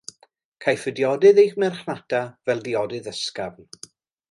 Caiff y diodydd eu marchnata fel diodydd ysgafn.